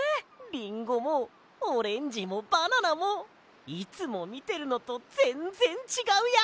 リンゴもオレンジもバナナもいつもみてるのとぜんぜんちがうや！